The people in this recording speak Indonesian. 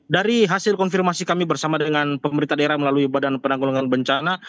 dari hasil konfirmasi kami bersama dengan pemerintah daerah melalui badan penanggulangan bencana